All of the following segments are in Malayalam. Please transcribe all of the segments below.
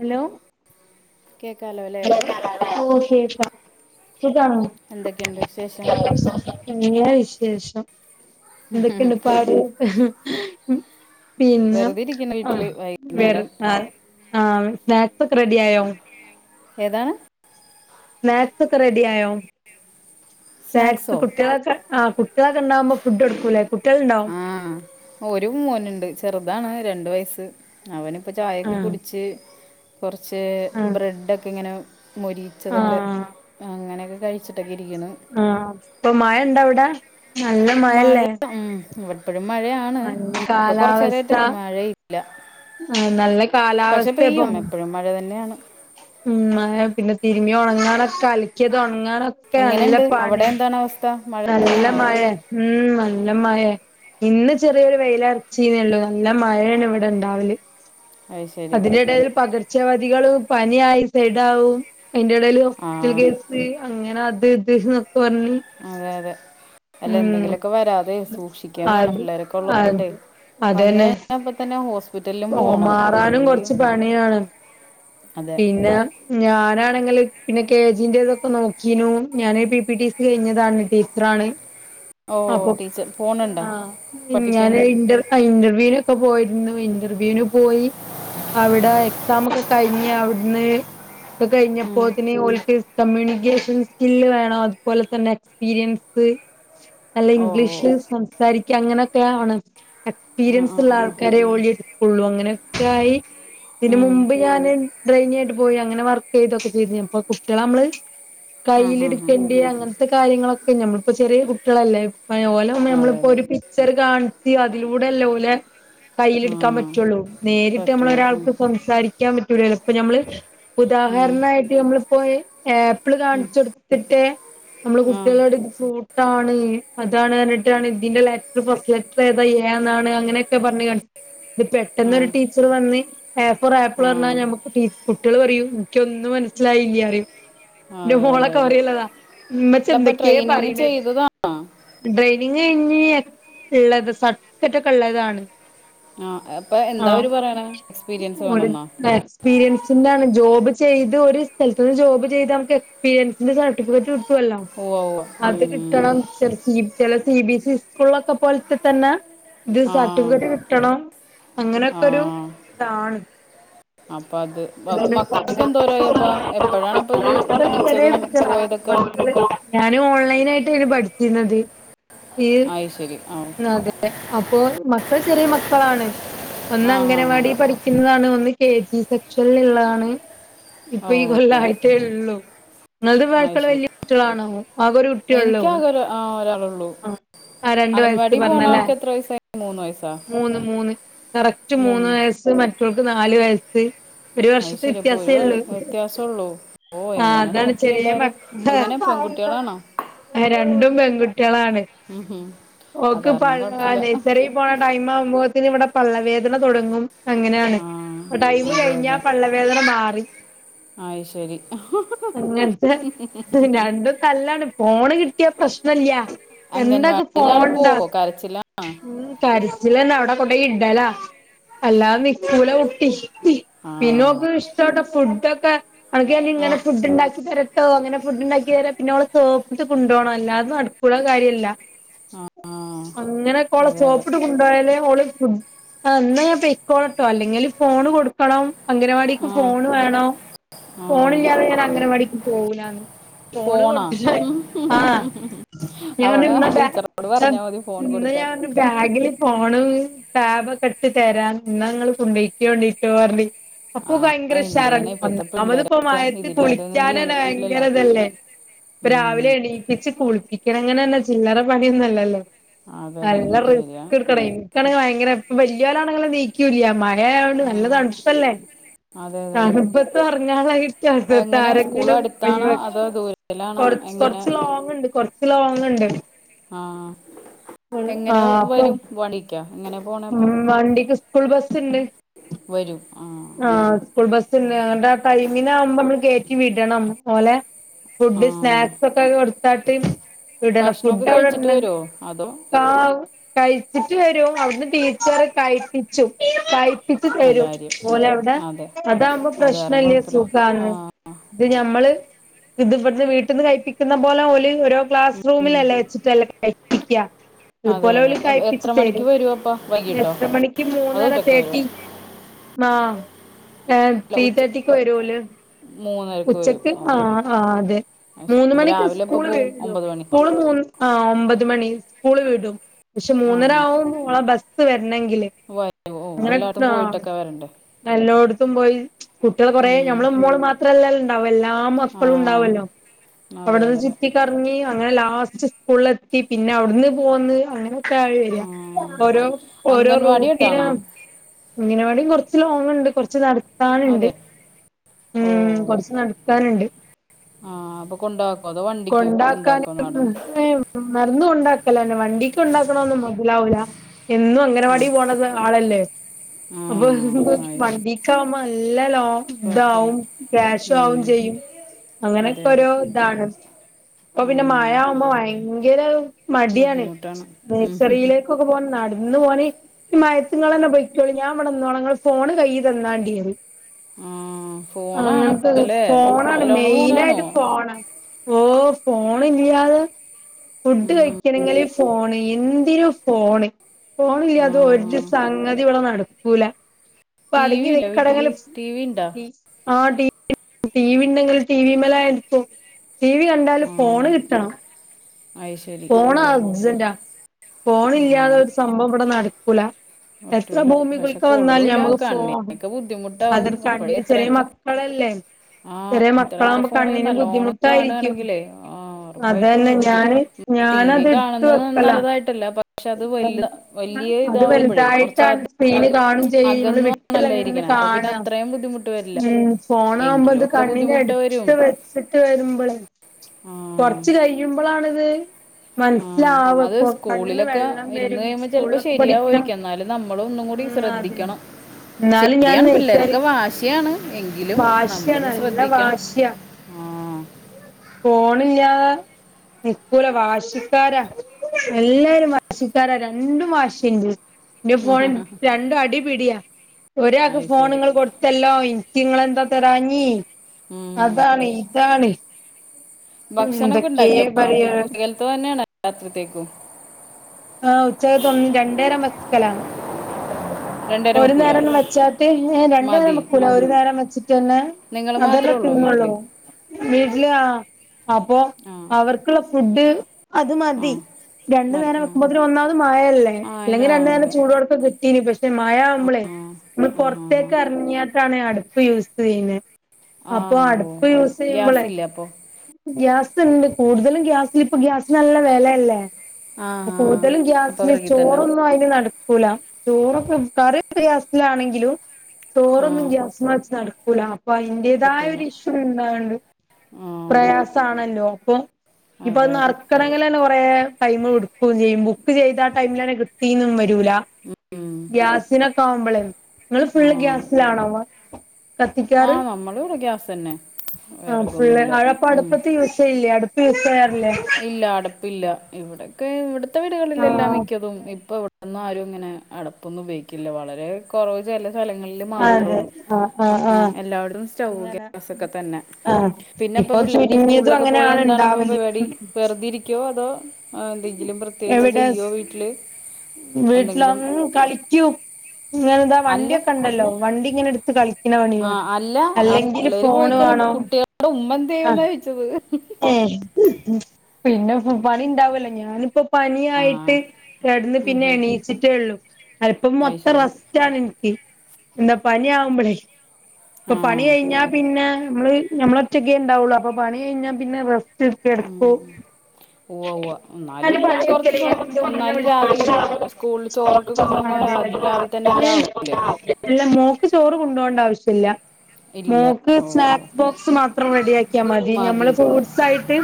ഹലോ കേക്കാലോ അല്ലേ ഓ കേക്കാം സുഖാണോ എന്തൊക്കെയുണ്ട് വിശേഷം [inaudible] വിശേഷം [unintelligible] പാട് പിഇന്ന് വെറുതെ ഇരിക്കുന്ന വീട്ടില് അൽഹം വൈകുന്നേരം വെരക്കാൽ ആഹ് സ്നാക്സോ ഒക്കെ റെഡി ആയോ ഏതാണ് സ്നാക്സ് ഒക്കെ റെഡി ആയോ സ്നാക്സ് സ്നാക്സോ കുട്ടികളക്ക് ആഹ് കുട്ടികളൊക്കെണ്ടാവുമ്പോ ഫുഡ് എടുക്കൂലേ [unintelligible] ആഹ് ഒരു മോന്ണ്ട് ചെറ്താണ് രണ്ട് വയസ്സ് അവന് ഇപ്പൊ ചായയെക്കെ ആ കുടിച്ച് കൊറച്ച് ആ ബ്രെഡൊക്കെ ഇങ്ങനെ മൊരി ആ വച്ചതൊക്കെ അങ്ങനെയൊക്കെ കഴിച്ചിട്ടൊക്കെ ഇരിക്കുന്നു ആഹ് ഇപ്പം മഴയേണ്ടോ അവ്ടെ മഴ ഉം ഇവിടെപ്പഴും മഴയാണ് ഇപ്പൊ കൊറച്ചേരായിട്ട് മഴയില്ല ആഹ് നല്ലാ പക്ഷെ കാലാവസ്ഥ പെയ്യും ഇപ്പം എപ്പോഴും മഴ തന്നെയാണ് ഉം പിന്നെ തിരുമി ഒണങ്ങാനൊക്കെ അലക്കിയത് ഒണങ്ങാനൊക്കെ നല്ല പണി എന്നാവസ്ഥ മഴെ നല്ല മയെ ഉം നല്ല മയെ ഇന്ന് ചെറിയൊരു വെയിലറിച്ച്ന്നേള്ളു നല്ല മഴയണ് ഇവിടെ ഇണ്ടാവല് അത് ശരി അതിന്റെടേയിൽ പകർച്ചവ്യധികൾ പനി ആയി സൈഡാവും അതിന്റെ ഇടയിൽ ഹോസ്പിറ്റൽ ആ കേസ് [unintelligible] അങ്ങനെ അത് ഇത് ന്നൊക്കെ പറഞ്ഞ് അതെ അതെ അല്ല ഉം എന്തെങ്കിലുമൊക്കെ വേരാതെ സൂക്ഷിക്കാൻ വേണം അത് പിള്ളേരൊക്കെ ഒള്ളേ ഒണ്ടേ അത് വന്ന് കഴിഞ്ഞാ അപ്പോ തന്നെ ഹോ ഓഹ് മാറാനും കൊറച്ച് പണിയാണ് അതെ പിന്നെ ഞാനാണെങ്കില് പിന്നെ [unintelligible] നോക്കീനു ഞാന് പി പി ടി കഴിഞ്ഞതാണ് ടീച്ചറാണ് ഓ അപ്പൊ ടീച്ചർ പോണുണ്ടോ ആ പഠിപ്പിക്കാൻ ഞാനരു ഇന്റർ അ ഇന്റർവ്യൂനൊക്ക പോയിരുന്നു ഇന്റർ... ഇന്റർവ്യൂന് പോയി അവിടെ എക്സാം ഒക്കെ കഴിഞ്ഞ് അവിടുന്ന് ഉം. കഴിഞ്ഞപ്പോത്തിന് ഓൽക്ക് കമ്മ്യൂണിക്കേഷൻ സ്കില് വേണം അതുപോലെ തന്നെ എക്സ്പീരിയൻസ് അല്ല ഓ ഓ. ഇംഗ്ലീഷില് സംസാരിക്ക അങ്ങനെയൊക്കെയ ആണ് ആ ആ ആ എക്പീരിയൻസ്ള്ളാൾക്കാരെ ഓലെട്ക്കുള്ളു അങ്ങനൊക്കാ യി ഇതിന് ഉം. മുമ്പ് ഞാന് ഡ്രെയിനി ആയിട്ട് പോയി അങ്ങനെ വർക്ക് ചെയ്തൊക്കെ ചെയ്തിന്ന് ഇപ്പോ കുട്ടികളെ നമ്മള് ആ ഹാ ഹാ കൈയിലെടുക്കേണ്ടി അങ്ങൻത്തെ കാര്യങ്ങളൊക്കെ ഞമ്മൾപ്പോ ചെറിയ കുട്ട്യളല്ലേ [unintelligible] ഓലൊന്നും അതെ ഞമ്മള് അതെ പ്പൊരു പി ചെർ കാണിച് അതിലൂടെ അല്ലേ ഓലെ കയ്യില് ആ ഇട്ക്കാൻ പ റ്റുള്ളൂ നേരിട്ട് പറ്റുള്ളൂ ഉം. നമ്മളൊരാൾക്ക് പംസാരിക്കാൻ പറ്റൂലേലൊ പ്പ ഞമ്മള് ഉം. ഉദാഹരണായിട്ട് നമ്മളിപ്പോയി ഏപ്പിള് ഉം. കാണിച്ചൊടുത്തിട്ട് നമ്മുടെ ആ കുട്ടികളോട് ഇത് ഫ്രൂട്ടാണ് അതാണ്റഞ്ഞിട്ടാണ് ഇതിന്റെ ലറ്റർ പോർത് വെ [unintelligible] എന്നാണ് അങ്ങനെയൊക്കെ പറഞ്ഞ ക ത് ആ പെട്ടന്ന് ഒരു ടീച്ചർ വന്ന് എ ഫോർ ആപ്പ്ൾ പർഞ്ഞാ ആ നമ്മക്ക് ടീ കുട്ടിയള് പറയും ൻക്യോന്നും മനസ്സിലായില്ല പറിം ഇന്റെ അതെ അതെ മോളക്ക അതെ പറിയലാ ഇമ്മച്ചി അല്ല അപ്പം എന്തക്കെ ട്രെയിനിങ് പറിണെ ചെയ്തതാണോ ട്രെയിനിങ് കഴിഞ്ഞ് ഇള്ളത് സർട്ടിഫിക്കറ്റ് ഒക്കെ ഇള്ളതാണ് ആ അപ്പൊ ആഹ് എന്താവര് പറയണെ എക്സ്പീരിയൻസ് വേണെന്നോ ക്സ്പീരിയൻസിന്റാണ് ജോബ് ചെയ്ത് ഒരു സ്ഥലത്തു നിന്ന് ജോബ് ചെയ്ത് അവക്ക് എക്സ്പീരിയൻസിന്റെ സർട്ടിഫിക്കറ്റ് ക്കൊല്ലോ ഓ അത് കിട്ടണം ചെല സി ബി ചെല സി ബി സി ഇസ്കൂൾളൊക്കെ പോൽത്തെ തന്നെ ഇത് ആ സർട്ടിഫിക്കറ്റ് കിട്ടണം ആ അങ്ങനെയൊക്കെരു ഇതാണ് അപ്പത് ബ മക്കളൊക്കെന്തോരയപ്പ എപ്പഴാണപ്പത് പടിച്ചതും പോയതൊക്ക ഞാന് ഓൺലൈൻ ആയിട്ടെനി പഠിച്ചിരുന്നത് ഈ അയ് ശരി ആഹ് അതെ അപ്പോ മക്കൾ ചെറിയ മക്കളാണ് ആ ആ ആ. ഒന്നംഗനവാടി പഠി... ന്നതാണ് ഒന്ന് കെ ജി സെക്ഷനൽള്ളതാണ് ഓ ഇപ്പൊ ഈ കൊല്ലായിട്ടേ ഉള്ളു ങ്ങൾത് ആയി [unintelligible] ശരി വല്ല്യ കുട്ട്യളാണോ? ആകൊരു കുട്ട്യേള്ളോ? എനിക്കാകെ ഒരു ആ ഒരാളള്ളൂ ആഹ് ആ രണ്ട് വയസ്സ് പറഞ്ഞലേ. എത്ര വയസ്സായി മൂന്ന് വയസ്സാ മൂന്ന് മൂന്ന് കറക്റ്റ് മൂന്ന് വയസ്സ് മറ്റൾക്ക് നാല് വയസ്സ് ഒര് ആയി വർഷത്തെ ശരി അപ്പോൾ ഒരു വയ- വ്യത്യാസേള്ളു വ്യത്യാസമുള്ളൂ ഓ ആ എങ്ങനെ താണ് നോക്കി ചെറിയ എല്ലാവരും മക് എങ്ങനെ പെൺകുട്ടികളാണോ ട്ടെ രണ്ടും പെൺകു ട്ട്യളാണ്. ഉം ഹും. അത് കാരണം ഓക്ക്പ്പള്ളാ കുഴപ്പമില്ല നെയ്സറി പോണ ടൈം ആവ്മ്പോത്തിന് ഇവടെ പള്ള വേദന തൊടങ്ങും അങ്ങനെണ് ആ പ ടയിമ് അതെ കഴിഞ്ഞാ അതെ പള്ളവേദന മാറി... ആയി ശരി [unintelligible] ഹ് ഹ് രണ്ടും തല്ലാണ് ഫോണ് കിട്ടിയ പ്രശ്നല്ല എന്താക്ക് അംഗൻവാടിയിലാള് ഫോൺണ്ടാ പോവോ കരച്ചിലാണോ? ഉം കരച്ചിലന്നാ അവ്ടെ കൊണ്ടയി ഇടലാ അല്ലാതെ നിക്കൂല കുട്ടി പിന്നെ ഓക്ക് ആ ഇഷ്ടോട്ടെ ഫുഡ് ഒക്കെ അനക്ക് ഞാ ഇഞ് ഇങ്ങനെ ആ ഫുഡ് ഉണ്ടാക്കി തര തോന്ന്ണ ഫുഡ്ണ്ടാക്കി തരാ പിന്നെ ഓളെ സോപ്പിട്ട് കൊണ്ടോണം അള്ളാദേ നടപ്പ്ള്ള കാര്യല്ല ആ, അങ്ങനെക്കൊളെ അതെ അതെ സോപ്പിട്ട് കൊണ്ടോയാലേ ഓള് ഫു എന്നാ ഞാൻ പൈക്കോളട്ടോ അല്ലെങ്കിൽ ഫോണ് കൊടുക്കണം അംഗനവാടിക്ക് ആ ഫോണ് വേണം ആ ഫോണില്ലാതെ ഞാൻ അംഗനവാടിക്ക് പോവൂ ലാന്ന് ഫോണ് ഫോണാ കൊടുത്തിട്ട ആഹ് ഞൻ അവിടെ ഇന്ന് ടീച്ചറോട് പറഞ്ഞാൽ [unintelligible] മതി ഫോൺ ഇന്ന് കൊടുക്കാൻ ഞൻ ബാഗ്ല് ഫോണും ടാബൊക്കെ ഇട്ട് തരാ ഇന്നാ ങ്ങള് കൊണ്ടയ്‌ക്കോണ്ടിട്ടൊ പറി അപ്പൊ ആ ഭയങ്കര എന്ത് ചെയ്യാനാ ഉഷാറാണ് ഇപ്പോഴത്തെ നമ്മളിപ്പം പിള്ളേരൊക്കെ മയത്ത് ഇതില്ലാതെ ഒന്നും കുളിക്കാനന്നെ ഭയങ്കര ജീവിക്കൂലല്ലോ ഇതല്ലേ പ്പ ഉം, രാവിലെണീ ച്ച് കുളിപ്പിക്കണങ്കിലന്നെ ചില്ലറ പണിയൊന്നല്ലല്ലോ അതെ അതെ അതെ നല്ല ശരിയാ റിസ്ക് ഇട്ക്കണയ്‌ന് എനിക്കാണെങ്കിൽ ഭയങ്കര ഇപ്പ വലിയോലാണെങ്കെ നീക്കൂല്ല മഴയതോണ്ട് ആ നല്ല തണുപ്പല്ലേ അതെ അതെ അതെ [unintelligible] എങ്ങനെ സ്കൂൾ ആരെങ്കിലും അടുത്താണോ ഓയ്‌വ് അതോ ദൂരത്തിലാണോ കൊറച്ച് എങ്ങനെ കൊറച്ച് ലോങ് ഉണ്ട് കൊറച്ച് ലോങ് ഉണ്ട് ആഹ് ആ എങ്ങന വ് അപ്പൊ വരും [unintelligible] എങ്ങന ഉം വണ്ടിക്ക് സ്കൂൾ ബസ്സ് ഇണ്ട് വരും ആ ആഹ് സ്കൂൾ ബസ്ണ്ട് [unintelligible] ടൈമിനാകുമ്പം നമ്മള് കേറ്റി വിടണം ഓലെ ഫുഡ് ആ സ്നാക്സ് ഒക്കെ കൊടുത്താട്ട് വിടണം ഭക്ഷണമൊക്കെ ഫുഡ് കഴിച്ചിട്ട് അവ്ടണ്ട് വരുമോ അതോ പാ കഴിച്ചിറ്റ് വരു അവിട്ന്ന് ടീച്ചറ് കയ്പിച്ചു കയ് ത്തിച്ച് നല്ല തരും കാര്യം ഓല് അവ്ടെ അതെ അതാവുമ്പം അത് കാരണം പ്രശ്നല്ല കുഴപ്പമില്ല ആ സുഖാണ് ഇത് ഞമ്മള് ഇത് ഇവട്ന്ന് വീട്ടീന്ന് കഴിപ്പിക്കുന്ന പോലെ ഓല് ഓരോ ക്ലാസ് റൂമിലല്ലേ വെച്ചിട്ടല്ലെ കയിപ്പിക്ക അതെ ഇതുപോലെ അതെ ഓല് അപ്പൊ കയ്‌പ്പിച്ച് എത്ര മണിക്ക് തരും വരും അപ്പം വൈകിട്ടോ എത്ര മണിക്ക് അതോ മൂന്നര ഉച്ചക്ക് വരുമോ തേട്ടി ന്നാ ഏ അല്ല ത്രീ ഉച്ച തേട്ടിക്ക് വരു ഓല് മൂന്നരക്ക് വരും ഉച്ചക്ക് ഓ ആ... ആ അതെ അത് ശരി മൂന്ന് അപ്പോൾ മണിക്ക് രാവിലെ എപ്പോൾ സ്കൂൾ പോവും വിടും ഒമ്പത് മണി സ്കൂള് മൂന്ന് ആ ഒമ്പത് മണി സ്കൂള് വിടും പക്ഷെ ആ മൂന്നര ഹാ ആകുമ്പുവ ബസ് വരണെങ്കില് അങ്ങനെ [unintelligible] പറണ്ട് എല്ലോട്ത്തും പോയി കുട്ട്യൾ കൊറേ ഉം. ഞമ്മളെ മോള് മാത്രല്ലല്ലൊണ്ടാവ എല്ലാ മക്കളുണ്ടാവല്ലോ ന്നാതെ... [unintelligible] ചുറ്റിക്കറങ്ങി അങ്ങനെ ലാസ്റ്റ് സ്കൂൾലെത്തി പിന്നവ്ട്ന്ന് പോന്ന് അങ്ങനെ വര ആ. ഓരോ ഓരോ അംഗൻവാടി റൂട്ടന് അടുത്താണോ അംഗനവാടി ത് കൊർച്ച് ലോങ് ണ്ട് കൊർച്ച് നട്ത്താന്ണ്ട് അതെ ഊം കൊർച്ച് നടക്കാന്ണ്ട് ആഹ് അപ്പൊ കൊണ്ടാക്കോ അതോ വണ്ടിക്ക് കൊണ്ടാക്കോ നടന്ന് ഉം നടന്നു കൊണ്ടാക്കലാണ് വണ്ടിയ്‌ക്കൊണ്ടാക്കണൊന്നും മൊതലാവൂല എന്നുഒ അങ്ങനവാടി ആയി പോണത് ആളല്ലേ ആ അപ്പൊ ആയ [inaudible] വണ്ടീക്കാ വുമ്പൊ അല്ല ലോ പറ്റില്ല താവും ക്യാഷാവും ഉം. ചെയ്യും അതെ അങ്ങനെക്കെ അതെ ഓരോ ഇതാണ് ഇപ്പൊ ആ പിന്നെ മഴ ആവുമ്പോ ഭയങ്കര മടിയാണ് ബുദ്ധിമുട്ടാണ് ഉം. നേഴ്സറിയില് ക്കൂക്ക് പോകാൻ നടന്നു ഓന് ഇമയത്ത് ങ്ങളെന്ന പോയ്ക്കോളി ഞാം വടന്നോള ങ്ങള് ഫോണ് കയ്യിതന്നാണ്ടിയറിയു ആ ഫോണാണ് ഇപ്പൊ അങ്ങൻത്തെത് അല്ലേ ഫോണാണ് നല്ലോണം ഫോണാണോ മെയിനായ്ട്ട് ഫോണാ ഓ ഫോൺ ഇല്ലാതെ ഫുഡ് കഴി ക്കണെങ്ങില് ഫോണ് എന്തിനു ഫോണ് ആ ഫോണില്ലാതെ ഹാ ഒര് സംഗതി വട നടക്കൂല ഇപ്പ ടി വി അടങ്ങി ഇല്ല വീട്ടില് ടി വി ഉണ്ടോ [unintelligible] ആ ടീ ടി വി ഇണ്ടെങ്കിൽ ടി വി മല് ആയിരിക്കും ടി വി കണ്ടാല് ആ ഫോണ് കിട്ടണം അത് ശരി ഓ ഫോണ് ഹോ ഹോ അർജന്റാ ഫോണ് ആ ഇല്ലാതെ ഒരു സംഭവം ഇവടെ നടക്കൂല എത്ര പറ്റൂല പക്ഷെ ഭൂമികുൽക്കം വന്നാലും കൊള്ളൂല ഞമ്മക്ക് ഫോൺ കണ്ണിനൊക്കെ ബുദ്ധിമുട്ടാവും ഇപ്പോഴേ [unintelligible] ചെറിയ എത്രയൊക്കെ മക്കളല്ലേ ആ ചെറിയ അത്രയൊക്കെ മക്കളാവകുമ്പോ ഫോൺ കണ്ണിന് നല്ലോണം ബുദ്ധിമുട്ടായിരിക്കും കാണുകയാണെങ്കിലേ ആ ഉറപ്പായിട്ടും അതന്നെ ഇത് ഞാന് ടി വി ഞാനതെട്ത്ത് കാണുന്നത് വെക്കല നല്ലതായിട്ടല്ല പക്ഷെ അത് വലിയ വലിയ [unintelligible] അത് വലുത ഇതാവുമ്പോഴേ [unintelligible] കുറച്ച് അത് അക കാണും ചെയ്യും നമ്മള് വിട്ടല്ലേ അകന്നാണല്ലോ നിന്ന് ഇരിക്കണേ അപ്പൊ കാണ പിന്നെ അത്രയും ബുദ്ധിമുട്ട് വരില്ല ഉം എങ്കിലും ഫോണാഉമ്പത് ഒക്കെ ബുദ്ധിമുട്ട് വരും കണ്ണിന്റടുത്ത് വെച്ചിട്ട് വരുമ്പളേ ആ കൊർച്ച് കൈ പെയ്യുബ്ലാണത് ആഹ് അത് സ്കൂളിലൊക്ക വെള്ളം ഇരുന്ന് വരും കഴിയുമ്പ ചെൽപ്പൊ സ്കൂളിലൊക്കെ പഠിക്കണം ശരിയാവായിരിക്ക എന്നാലും നമ്മളു ഒന്നും കൂടി ഉം ശ്രദ്ധി അതെ ക്കണം എന്നാലും ഞാൻ ശരിയാണ് നഴ്സറി പിള്ളേരൊക്കെ വാശിയാണ് എങ്കിലും വാശിയാ നമ്മളൊന്ന് നല്ല ശ്രദ്ധിക്കണം ആ ഫോണില്ലാ നിക്കൂല വ വാശിക്കാരാ എല്ലാരും വാശിക്കാരാ രണ്ടും വാശിണ്ട്. ഇന്റെ ഫോണ് രണ്ടും അടിപിടിയാ ഒരാൾക്ക് അത് ഫോണ് ശരി നിങ്ങൾ കൊടുത്തല്ലോ. ഇക്ക് നിങ്ങളെന്താ തരാഞ്ഞീ ഉം. അതാണ് ഇതാണ്. ഭക്ഷണൊക്കെ എന്തൊക്കെ ഉണ്ടാക്കിയപ്പ പറയാ ഉച്ചകലത്ത് തന്നെയാണ രാത്രിത്തേക്കും. ആ ഉച്ചകത്ത് ഒന്ന് രണ്ടേരം വക്കലാണ്. രണ്ടുപേരെ ഒരു വെക്കൂല നേരം വെച്ചാട്ട് രണ്ടു നേരം മതി വെക്കൂല ഒരു നേരം വെച്ചിട്ട് തന്നെ. നിങ്ങൾ അതല്ലേ മാത്രമേ ഉള്ളൂ വീട്ടിൽ തിന്നോളൂ. വീട്ടില് ആ അപ്പൊ ആ അവർക്കുള്ള ഫുഡ്. അത് ആ മതി രണ്ടു മതി നേരം. ആ മുപ്പത്തിന് ഒന്നാമത് മഴല്ലേ ആ എന്നാ ഇല്ലെങ്കിൽ രണ്ടു തന്നെ അതെ ചൂടുടക്കെ കിട്ടീനി പക്ഷെ പക്ഷെ മഴ ആവുമ്പോളേ ആ നമ്മൾ ആ ഹാ ഹാ പുറത്തേക്ക് ഇറങ്ങിയട്ടാണ് അടുപ്പ് യൂസ് ചെയ്യുന്നത്. ആ അപ്പൊ ഓ അടുപ്പ് ഓ യൂസ് ഗ്യാസ് ചെയ്യുമ്പോളെ. ഇല്ല അപ്പോൾ ഗ്യാസ് ഉണ്ട്, കൂടുതലും ഗ്യാസിൽ ഇപ്പ ഗ്യാസ് നല്ല വിലയല്ലേ. ആ ആ കൂടുതലും അപ്പോൾ ഗ്യാസിന് വിറകിൽ തന്നെ ചോറൊന്നും അയില് നടക്കൂല. ചോറൊക്കെ, കറിക്കെ ഗ്യാസിലാണെങ്കിലും ആ ചോറൊന്നും ഗ്യാസ് വച്ചാണ്. ല അപ്പൊ അതിന്റേതായ പറ്റൂല ഒരു ഇഷ്യൂ ഇണ്ടണ്ട് ആ പ്രയാസ ആണല്ലോ. അപ്പൊ ഇപ്പൊ അതെ അതെ നറക്കണമെങ്കിൽ തന്നെ കുറെ ടൈമ് കൊടു ബുക്ക്ചെയും ബുക്ക് ചെയ്ത ആ ടൈമില് തന്നെ കിട്ടീന്നും വരൂല. ഉം. ഗ്യാസിനൊക്കെ ആവുമ്പോളേ. നിങ്ങള് ആ ഫുള്ള് ഗ്യാസിലാണോ വ- ആ നമ്മൾ ഇവിടെ ഗ്യാസ് തന്നെ. ആ പിള്ളേര് വിറകൊന്നുമില്ല അവിടെ ഉം. അടുപ്പത്ത് യൂസ് ചെയ്ല്ലേ. അടുപ്പ് യൂസ് ചെയ്യാറില്ലേ. ഇല്ല അട്പ്പില്ല ഇവിടക്കെ ഇവിട്ത്തെ വീടുകളിൽ എല്ലാം ആ മിക്കതും ഇപ്പ ഇ അന്നും ആരും ഇങ്ങനെ അടപ്പൊന്നും ഉപയോഗിക്കില്ല. വളരെ കുറവ് ചെല സ്ഥലങ്ങളിൽ മാത്രമേ ഉള്ളൂ. ആ എല്ലാവരും സ്റ്റൗ അങ്ങനെ ഗ്യാസൊക്കെ തന്നെ. ആഹ് പിന്നെപ്പ ഇപ്പൊ പിള്ളേര് ചുരുങ്ങിയതും സ്കൂളിലൊക്കെ പോയ അങ്ങനെയാണ് എന്താണിപ്പ ഇണ്ടാവല് പരിപാടി വെറുതെ ഇരിക്കുവോ അതോ ആ എന്തെങ്കിലും പ്രത്യേകിച്ച് ചെയ്യോ വീട്ടില് വീട്ടിലാ എന്തെങ്കിലും കളിക്കൂ. ഇങ്ങനെന്താ അല്ല വണ്ടിയൊക്കെ ഉണ്ടല്ലോ വണ്ടി ഇങ്ങനെ എടുത്ത് കളിക്കും. ആ അല്ല പിള്ളേര് പോയിക്കഴിഞ്ഞാൽ വേണം കുട്ടികളുടെ ഉമ്മ എന്ത് ചെയ്യുമെന്നാണ് ചോദിച്ചത്. ഏ പിന്നെ പണി ഉണ്ടാവല്ലോ ഞാനിപ്പ ആ പനിയായിട്ട് കിടന്ന് ഉം പിന്നെ ഉം. എണീച്ചിട്ടേ ഉള്ളു അല്പ്പം അത് മൊത്തം ശരി റസ്റ്റ് എനിക്ക് എന്താ പനി ആകുമ്പഴെ. ഇപ്പൊ പണി ആ കഴിഞ്ഞാ പിന്നെ നമ്മള് നമ്മൾ ഒറ്റയ്ക്കെ ഉണ്ടാവുള്ളു. അപ്പൊ പണി കഴിഞ്ഞാൽ പിന്നെ ഇത്തിരി എടുക്കൂ. ഉം. ഉവ്വ ഉവ്വ [unintelligible] എന്നാലും കുറച്ച് സമ എന്നാലും രാവിലെ പ്- സ്കൂളിൽ ചോറൊക്കെ കൊണ്ടുപോകുമ്പോൾ രാവിലെ തന്നെ എല്ലാം ആവൂലേ ഇല്ല മോക്ക് ചോറ് കൊണ്ട് പോകണ്ട ആവശ്യ ഇല്ല. ഇല്ല മോക്ക് ഓ ഓ സ്നാക്സ് ബോക്സ് മാത്രം റെഡി ആക്കിയാൽ മതി നമ്മള് കുറച്ചായിട്ട്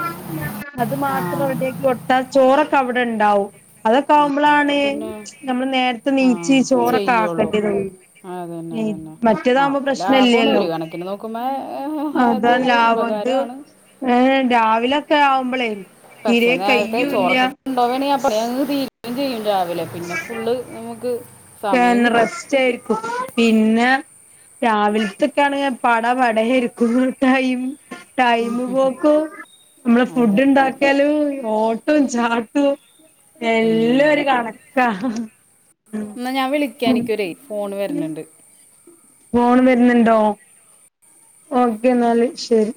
അത് ആ മാത്രം റെഡിയാക്കി കൊടുത്താ ചോറൊക്കെ അവിടെ ഉണ്ടാവും. അതൊക്കെ അപ്പം ആകുമ്പോളാണ് പിന്നെ നമ്മള് നേരത്തെ ആ നീച്ചി ചോറൊക്കെ ചെയ്യുള്ളൂ ആക്കണ്ടിയത്. അതന്നെ അതന്നെ അപ്പൊ ലാഭമാണ് ഇല്ലല്ലോ ഒരു കണക്കിന് നോക്കുമ്പോ അതൊരു ഉപകാരമാണ്. ഏ രാവിലൊക്കെ ആവുമ്പളേ. പക്ഷെ തീരെ നേരത്തെ കയ്യൂല്ല ചോറക്കൊക്കെ ഉണ്ടോകേണെങ്കിൽ. ചെയ്യും രാവിലെ. പിന്നെ, ഫുള്ള് നമുക്ക് സമയം കിട്ടും റസ്റ്റ് ആയിരിക്കും പിന്നെ. രാവിലത്തൊക്കാണ് പട വട എരിക്കു മിട്ടായും. ടൈമ് പോക്കും നമ്മള് ഫുഡ് അതെ ഉണ്ടാക്കിയാല് ഓട്ടം ചാ എല്ലാ ഉം. ഒരു കണക്കാ എന്നാ ഞാൻ വിളിക്കാ എനിക്കൊരെ ഫോൺ വരണണ്ട്. ഫോൺ വരുന്നുണ്ടോ. ഓക്കെ എന്നാല് ശരി.